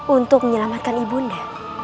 untuk menyelamatkan ibunya